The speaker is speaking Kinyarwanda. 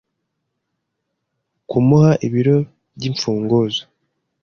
Kumuha ibiro by'imfunguzo